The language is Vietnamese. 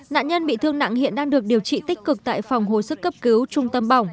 nạn nhân bị thương nặng hiện đang được điều trị tích cực tại phòng hồi sức cấp cứu trung tâm bỏng